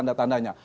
tidak ada tandanya